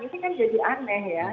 ini kan jadi aneh ya